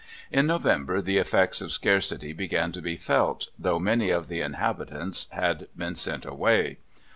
In November the effects of scarcity began to be felt, though many of the inhabitants had been sent away.